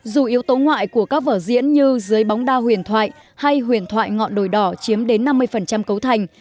dù yếu tố ngoại của các vở diễn như dưới bóng đa huyền thoại hay huyền thoại ngọn đồi đỏ chiếm đến năm mươi cấu thành